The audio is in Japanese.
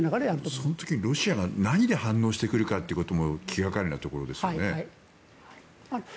その時、ロシア軍が何で反応してくるかが気掛かりなところですよね。